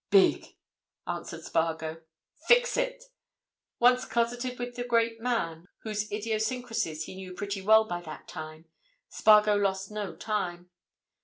"Big!" answered Spargo. "Fix it." Once closeted with the great man, whose idiosyncrasies he knew pretty well by that time, Spargo lost no time.